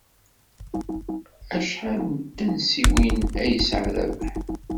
Acḥal n tansiwin ay yesɛa Rabaḥ?